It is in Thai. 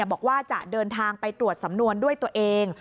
บอกว่าจะเดินทางไปตรวจสำนวนด้วยตัวเอง